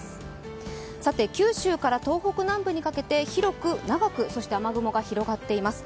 九州から東北南部にかけて広く長く、そして雨雲が広がっています。